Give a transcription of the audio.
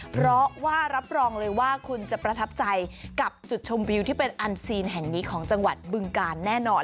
เพราะว่ารับรองเลยว่าคุณจะประทับใจกับจุดชมวิวที่เป็นอันซีนแห่งนี้ของจังหวัดบึงกาลแน่นอน